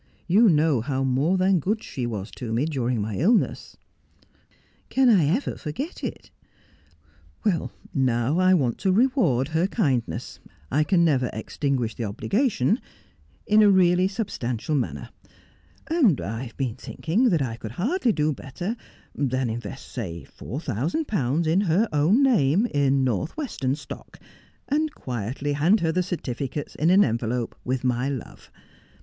You know how more than good she was to me during my illness.' ' Can I ever forget it 1 ' 'Now, I want to reward her kindness — I can never extin guish the obligation — in a really substantial manner : and I have been thinking that I could hardly do better than invest, say four thousand pounds, in her own name, in North Western stock, and quietly hand her the certificates in an envelope, with my love.